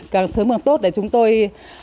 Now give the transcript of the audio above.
càng sớm càng tốt để chúng tôi